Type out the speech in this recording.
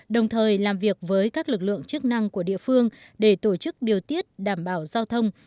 đồng thời làm việc với các lực lượng chức năng của địa phương để tổ chức điều tiết đảm bảo giao thông